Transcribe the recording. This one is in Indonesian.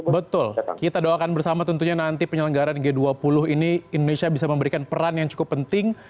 betul kita doakan bersama tentunya nanti penyelenggaran g dua puluh ini indonesia bisa memberikan peran yang cukup penting